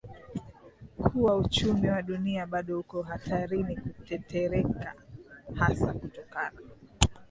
kuwa uchumi wa dunia bado uko hatarini kutetereka hasa kutokana